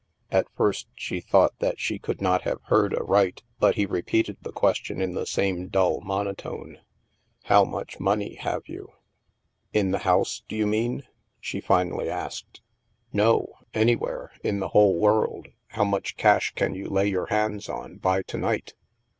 At first she thought that she could not have heard aright, but he repeated the question in the same dull monotone :" How much money have you?'' " In the house^ do you mean? '' she finally asked. ii 198 THE MASK " No. Anywhere. In the whole world. How much cash can you lay your hands on, by to night?''